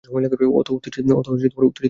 অত উত্তেজিত হোয়ো না।